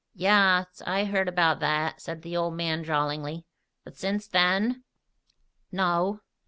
"Yaas. I heard about that," said the old man drawlingly. "But since then?" "No."